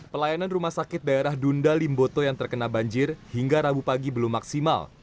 pelayanan rumah sakit daerah dunda limboto yang terkena banjir hingga rabu pagi belum maksimal